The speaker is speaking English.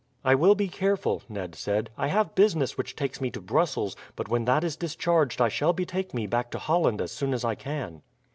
"I will be careful," Ned said. "I have business which takes me to Brussels, but when that is discharged I shall betake me back to Holland as soon as I can."